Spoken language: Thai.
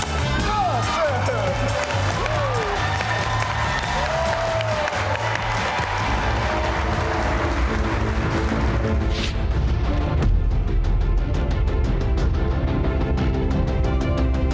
คุณแข่เยาะเก้าอี้ยังหนักเลย